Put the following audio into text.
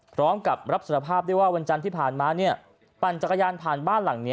พร้อมกับรับสารภาพด้วยว่าวันจันทร์ที่ผ่านมาปั่นจักรยานผ่านบ้านหลังนี้